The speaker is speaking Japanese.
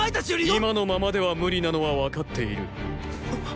今のままでは無理なのは分かっている。！